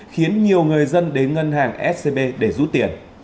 khiến nhiều người dân đến ngân hàng scb để rút tiền